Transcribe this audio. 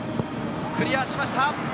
クリアしました。